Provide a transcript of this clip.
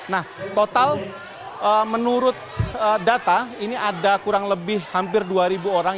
nah total menurut data ini ada kurang lebih hampir dua orang